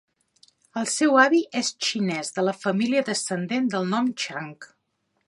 El seu avi és xinés, de la família descendent del nom Chang.